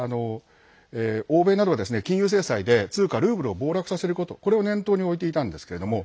欧米などは金融制裁で通貨ルーブルを暴落させることこれを念頭に置いていたんですけれども